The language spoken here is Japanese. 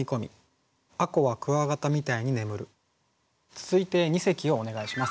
続いて二席をお願いします。